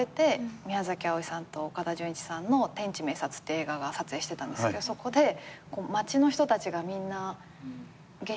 宮あおいさんと岡田准一さんの『天地明察』って映画が撮影してたんですけどそこで町の人たちがみんな日食？